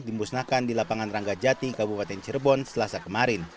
dimusnahkan di lapangan rangga jati kabupaten cirebon selasa kemarin